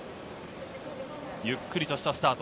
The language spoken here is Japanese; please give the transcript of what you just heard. ゆっくりとしたスタート。